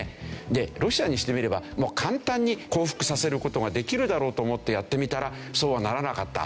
でロシアにしてみれば簡単に降伏させる事ができるだろうと思ってやってみたらそうはならなかった。